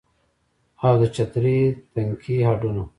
او د چترۍ تنکي هډونه